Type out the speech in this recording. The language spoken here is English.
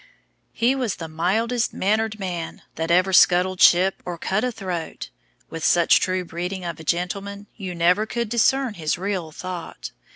"He was the mildest manner'd man, That ever scuttled ship or cut a throat; With such true breeding of a gentleman, You never could discern his real thought.